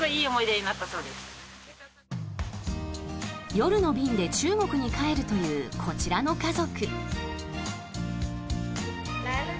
夜の便で中国に帰るというこちらの家族。